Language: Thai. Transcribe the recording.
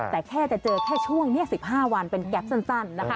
แต่แค่จะเจอแค่ช่วงนี้๑๕วันเป็นแก๊ปสั้นนะคะ